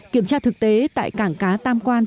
kiểm tra thực tế tại cảng cá tam quan